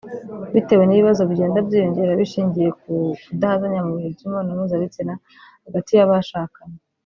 Bitewe n’ibibazo bigenda byiyongera bishingiye ku kudahazanya mu bihe by’imibonano mpuzabitsina hagati y’abashakanye